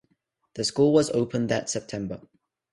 The school was opened that September.